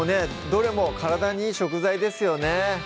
どれも体にいい食材ですよね